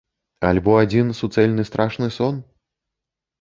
Альбо адзін суцэльны страшны сон?